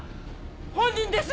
本人です！